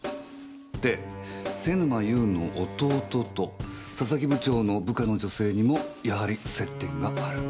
で瀬沼優の弟と佐々木部長の部下の女性にもやはり接点がある。